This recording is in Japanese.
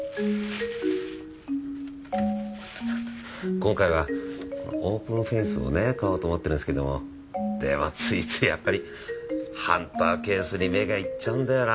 今回はオープンフェイスをね買おうと思ってるんですけどもでもついついやっぱりハンターケースに目がいっちゃうんだよな。